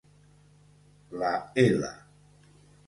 La L